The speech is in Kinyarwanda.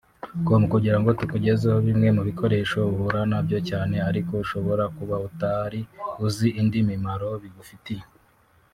com kugira ngo tukugezeho bimwe mu bikoresho uhura nabyo cyane ariko ushobora kuba utari uzi indi mimaro bigufitiye